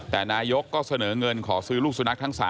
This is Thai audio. แต่นายกก็เสนอเงินขอซื้อลูกสุนัขทั้ง๓